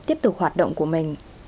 tiếp tục hoạt động của mình